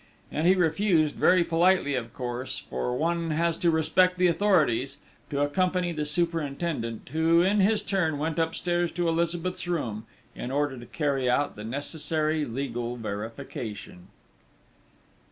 And he refused, very politely of course for one has to respect the authorities to accompany the superintendent, who, in his turn, went upstairs to Elizabeth's room, in order to carry out the necessary legal verification....